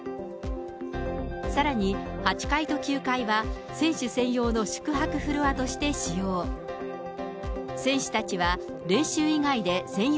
さらに、８階と９階は選手専用の宿泊フロアとして使用。